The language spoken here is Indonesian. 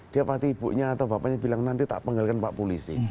dia pasti ibunya atau bapaknya bilang nanti tak penggalkan pak polisi